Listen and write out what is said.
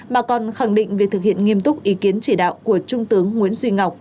mà còn khẳng định việc thực hiện nghiêm túc ý kiến chỉ đạo của trung tướng nguyễn duy ngọc